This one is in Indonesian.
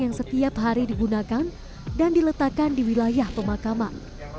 yang setiap hari digunakan dan diletakkan di wilayah pemakaman